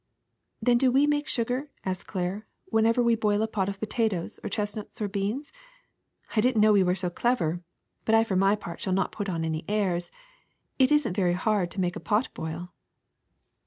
'' *^Then do we make sugar,'' asked Claire, '* when ever we boil a pot of potatoes or chestnuts or beans? I did n 't know we were so clever ; but I for my part shall not put on any airs, as it isn't very hard to make a pot boil."